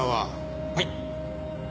はい。